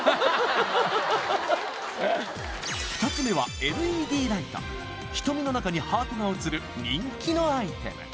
２つ目はＬＥＤライト瞳の中にハートが映る人気のアイテム